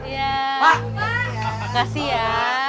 ya makasih ya